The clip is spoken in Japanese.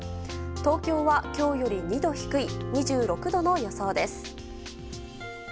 東京は今日より２度低い２６度の予想です。